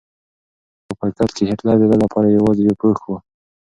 خو په حقیقت کې هېټلر د ده لپاره یوازې یو پوښ و.